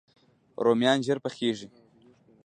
رومیان ژر پخیږي